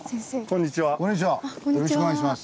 こんにちは。